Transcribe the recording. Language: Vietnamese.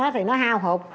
thì nó hao hụt